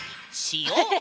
塩⁉